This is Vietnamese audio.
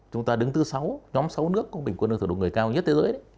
chúng ta đứng thứ sáu nhóm sáu nước có bình quân lương thủ độ người cao nhất thế giới